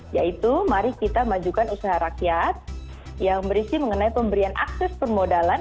yaitu mari kita majukan usaha rakyat yang berisi mengenai pemberian akses permodalan